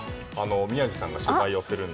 宮司さんが取材をするの。